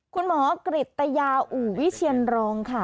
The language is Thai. คุณหมอกฤษตญาอู่วิเชียนรองค่ะ